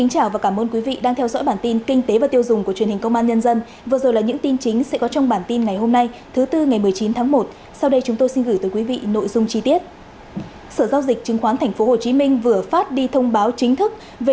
hãy đăng ký kênh để ủng hộ kênh của chúng mình nhé